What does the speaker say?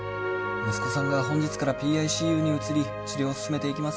息子さんが本日からＰＩＣＵに移り治療を進めていきます。